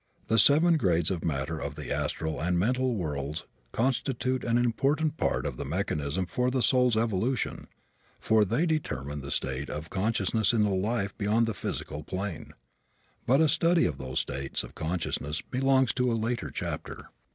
The seven grades of matter of the astral and mental worlds constitute an important part of the mechanism for the soul's evolution, for they determine the state of consciousness in the life beyond the physical plane. But a study of those states of consciousness belongs to a later chapter.